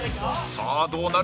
さあ、どうなる？